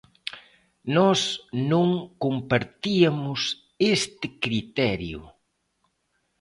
Nós non compartíamos este criterio.